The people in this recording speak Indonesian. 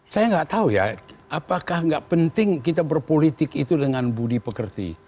saya nggak tahu ya apakah nggak penting kita berpolitik itu dengan budi pekerti